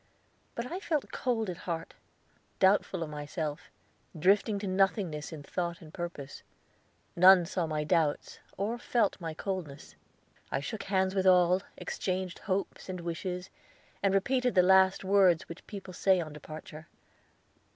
But I felt cold at heart, doubtful of myself, drifting to nothingness in thought and purpose. None saw my doubts or felt my coldness. I shook hands with all, exchanged hopes and wishes, and repeated the last words which people say on departure.